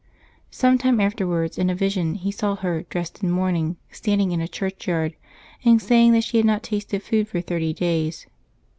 Some time afterwards, in a vision, he saw her, dressed in mourning, standing in a churchyard, and saying that she had not tasted food for thirty days.